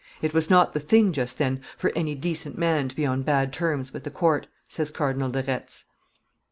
"It was not the thing just then for any decent man to be on bad terms with the court," says Cardinal de Retz.